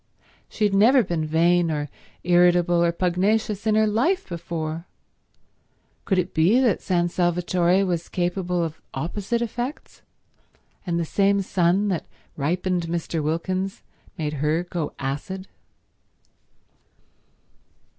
She had never been vain or irritable or pugnacious in her life before. Could it be that San Salvatore was capable of opposite effects, and the same sun that ripened Mr. Wilkins made her go acid?